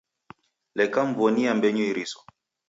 Leka mw'onia m'mbenyu iriso.